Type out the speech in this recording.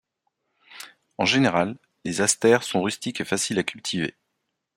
En général, les asters sont rustiques et faciles à cultiver.